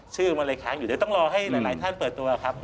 ชื่อมันเลยค้างอยู่เดี๋ยวต้องรอให้หลายท่านเปิดตัวครับ